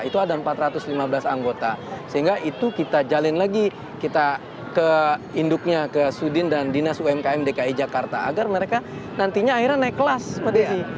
itu ada empat ratus lima belas anggota sehingga itu kita jalin lagi kita ke induknya ke sudin dan dinas umkm dki jakarta agar mereka nantinya akhirnya naik kelas mbak desi